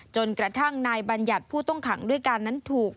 จนกระทั่งนายบัญญัติผู้ต้องขังด้วยกันนั้นถูก